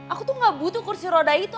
aku tuh gak butuh kursi roda itu